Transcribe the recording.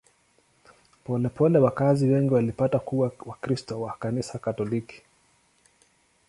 Polepole wakazi wengi walipata kuwa Wakristo wa Kanisa Katoliki.